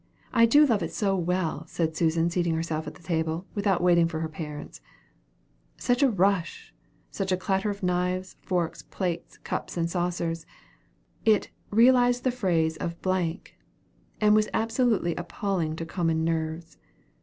I do love it so well," said Susan, seating herself at the table, without waiting for her parents. Such a rush! such a clatter of knives, forks, plates, cups, and saucers! It "realized the phrase of ," and was absolutely appalling to common nerves.